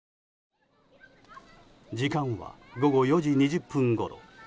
時間は午後４時２０分ごろ。